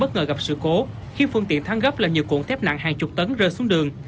ngờ gặp sự cố khiến phương tiện thăng gấp là nhiều cuộn thép nặng hàng chục tấn rơi xuống đường